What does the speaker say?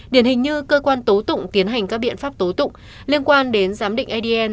điển hình như cơ quan tố tụng tiến hành các biện pháp tố tụng liên quan đến giám định adn